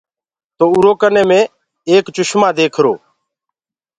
تو اُرو ڪني مڪوُ ايڪ چشمو ديکرو۔